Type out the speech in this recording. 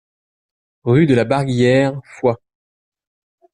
Rue de la Barguillère, Foix